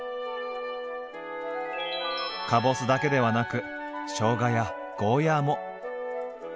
かぼすだけではなくしょうがやゴーヤーも。